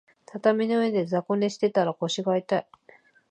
畳の上で雑魚寝してたら腰が痛い